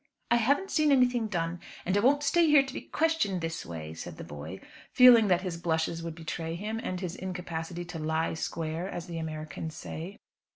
"I haven't seen anything done and I won't stay here to be questioned this way," said the boy, feeling that his blushes would betray him, and his incapacity to "lie square," as the Americans say.